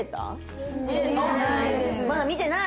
まだ見てない？